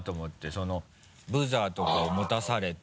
そのブザーとかを持たされて。